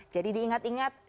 jadi diingat ingat dilarang